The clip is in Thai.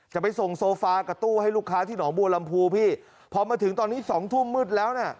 จะไปส่งโซฟากับตู้ให้ลูกค้าที่หนองบัวลำพูพี่พอมาถึงตอนนี้สองทุ่มมืดแล้วเนี่ย